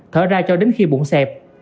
thở ra cho đến khi bụng xẹp